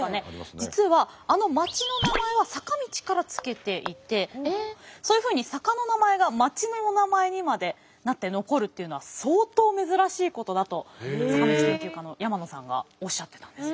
実はあの町の名前は坂道から付けていてそういうふうに坂の名前が町のお名前にまでなって残るっていうのは相当珍しいことだと坂道研究家の山野さんがおっしゃってたんです。